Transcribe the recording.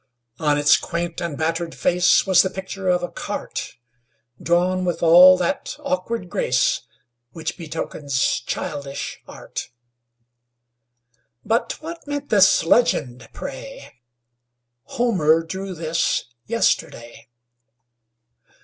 On its quaint and battered face Was the picture of a cart, Drawn with all that awkward grace Which betokens childish art; But what meant this legend, pray: "Homer drew this yesterday?"